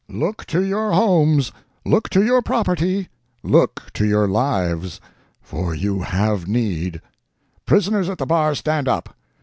Look to your homes look to your property look to your lives for you have need! "Prisoners at the bar, stand up.